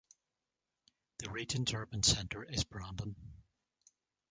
The region's urban centre is Brandon.